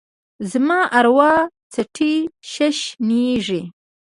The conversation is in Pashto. زما اروا څټي ششنیږې